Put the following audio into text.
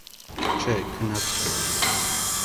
- Չէ, քնած չեմ: